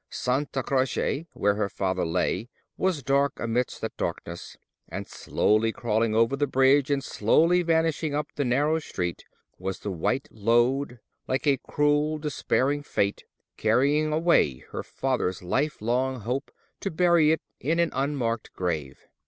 Santa Croce, where her father lay, was dark amidst that darkness, and slowly crawling over the bridge, and slowly vanishing up the narrow street, was the white load, like a cruel, deliberate Fate carrying away her father's lifelong hope to bury it in an unmarked grave.